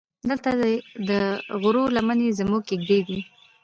دلته دې د غرو لمنې زموږ کېږدۍ دي.